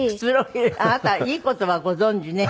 あなたいい言葉ご存じね。